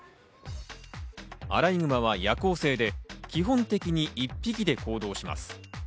アライグマは夜行性で、基本的に一匹で行動します。